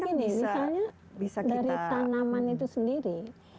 jadi gini misalnya dari tanaman itu sendiri